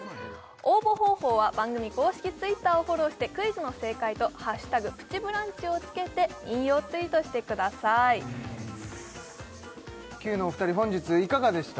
応募方法は番組公式Ｔｗｉｔｔｅｒをフォローしてクイズの正解と「＃プチブランチ」をつけて引用ツイートしてくださいキュウのお二人本日いかがでした？